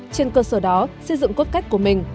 trên cơ sở đó xây dựng cốt cách của mình